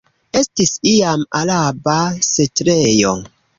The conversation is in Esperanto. Estis iam araba setlejo.